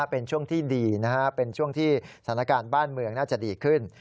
เป็นช่วงที่ดีเป็นช่วงที่สถานการณ์บ้านเมืองน่าจะดีขึ้น